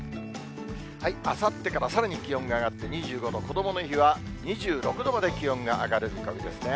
あさってからさらに気温が上がって２５度、こどもの日は２６度まで気温が上がる見込みですね。